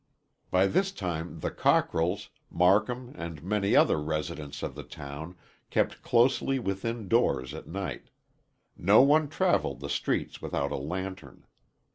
By this time the Cockrells, Marcum and many other residents of the town kept closely within doors at night. No one traveled the streets without a lantern.